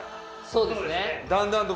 そうですね。